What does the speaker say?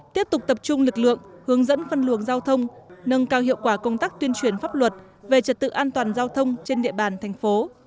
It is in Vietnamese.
tiếp tục tập trung lực lượng hướng dẫn phân luồng giao thông nâng cao hiệu quả công tác tuyên truyền pháp luật về trật tự an toàn giao thông trên địa bàn thành phố